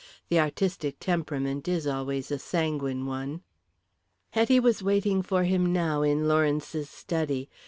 The artistic temperament is always a sanguine one. Hetty was waiting for him now in Lawrence's study.